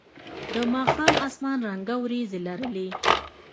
د ماښام اسمان رنګه ورېځې لرلې.